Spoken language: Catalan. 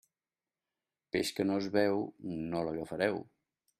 Peix que no es veu, no l'agafareu.